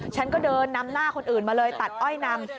ฉันก็เดินนำหน้าคนอื่นมาเลยตัดอ้อยนำ